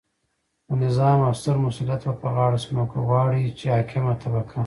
خو نظام او ستر مسؤلیت ورپه غاړه شو، نو که غواړئ چې حاکمه طبقه